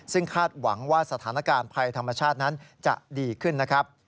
ซึ่งคาดหวังว่าสถานการณ์ภัยธรรมชาตินั้นจะดีขึ้นนะครับ